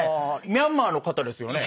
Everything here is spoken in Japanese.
ミャンマーの方ですよね？